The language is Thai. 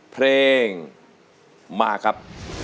เพลงมาครับ